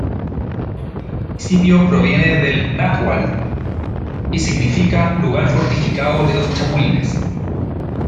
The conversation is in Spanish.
El nombre del municipio proviene del Náhuatl y significa "Lugar fortificado de los Chapulines".